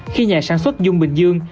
khi nhà sản xuất dung bình dương